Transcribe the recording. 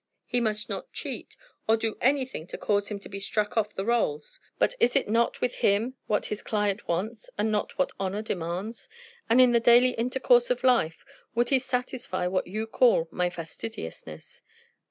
He must not cheat, or do anything to cause him to be struck off the rolls; but is it not with him what his client wants, and not what honor demands? And in the daily intercourse of life would he satisfy what you call my fastidiousness?"